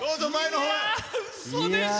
うそでしょ。